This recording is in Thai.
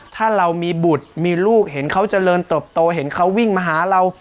ถ้าเรามีบุตรมีลูกเห็นเขาเจริญเติบโตเห็นเขาวิ่งมาหาเรา